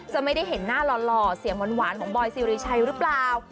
ไม่ได้เห็นหน้าหล่อเสียงหวานของบอยซีริชัยหรือเปล่า